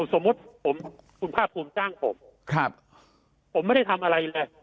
สมมุติผมคุณภาคภูมิจ้างผมผมไม่ได้ทำอะไรเลย